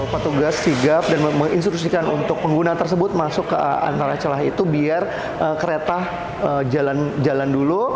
petugas sigap dan menginstruksikan untuk pengguna tersebut masuk ke antara celah itu biar kereta jalan dulu